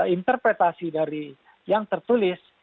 interpretasi dari yang tertulis